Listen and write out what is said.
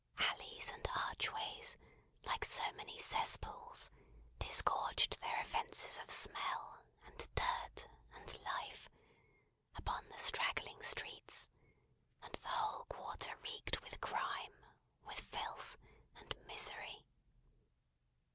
Alleys and archways, like so many cesspools, disgorged their offences of smell, and dirt, and life, upon the straggling streets; and the whole quarter reeked with crime, with filth, and misery.